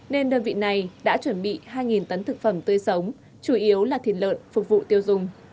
nên đơn vị này đã chuẩn bị hai tấn thực phẩm tươi sống chủ yếu là thịt lợn phục vụ tiêu dùng